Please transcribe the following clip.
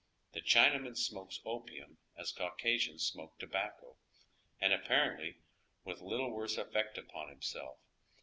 The Chinaman smokes opium as Caucasians smoke tobacco, and apparently with little worse effect npon himself.